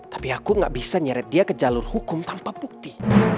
tapi aku gak bisa nyeret dia ke jalur hukum tanpa bukti